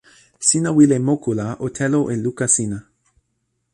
sina wile moku la o telo e luka sina.